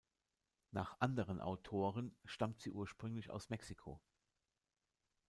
Nach anderen Autoren stammt sie ursprünglich aus Mexiko.